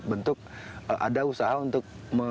bentuk ada usaha untuk